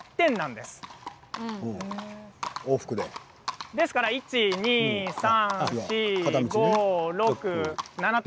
ですから１、２、３、４、５、６、７点。